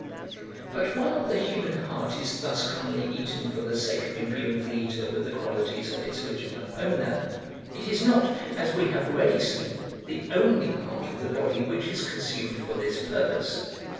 But while the human heart is thus commonly eaten for the sake of imbuing the eater with the qualities of its original owner, it is not, as we have already seen, the only part of the body which is consumed for this purpose.